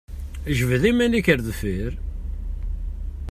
Jbed iman-ik ar deffir!